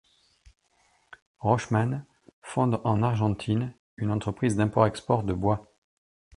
Roschmann fonde en Argentine une entreprise d'import-export de bois.